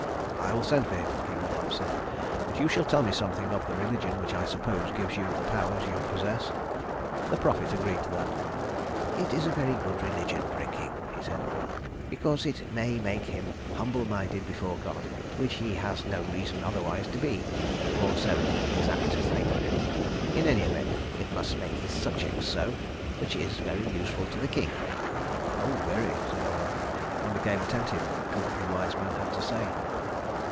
"I will send for him," King Olaf said, "but you shall tell me something of the religion which I suppose gives you the powers you possess." The prophet agreed to that. "It is a very good religion for a king," he said, "because it may make him humble minded before God, which he has no reason otherwise to be or so he is apt to think. In any event it must make his subjects so, which is very useful to the king." "Oh, very," said Olaf, and became attentive to what the wise man had to say.